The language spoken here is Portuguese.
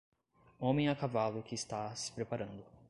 Homem a cavalo que está se preparando